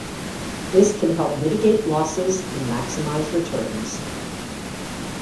This can help mitigate losses and maximize returns.